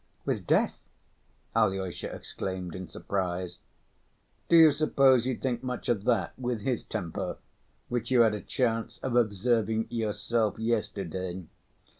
"With death?" Alyosha exclaimed in surprise. "Do you suppose he'd think much of that, with his temper, which you had a chance of observing yourself yesterday?